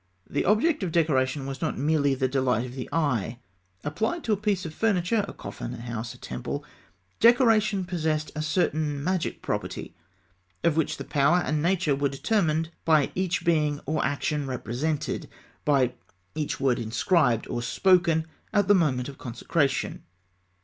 The object of decoration was not merely the delight of the eye. Applied to a piece of furniture, a coffin, a house, a temple, decoration possessed a certain magic property, of which the power and nature were determined by each being or action represented, by each word inscribed or spoken, at the moment of consecration.